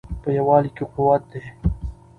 په یووالي کې قوت دی.